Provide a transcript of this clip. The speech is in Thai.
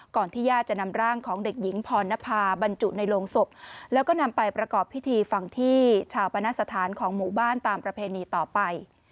ที่ญาติจะนำร่างของเด็กหญิงพรณภาบรรจุในโรงศพแล้วก็นำไปประกอบพิธีฝั่งที่ชาปนสถานของหมู่บ้านตามประเพณีต่อไป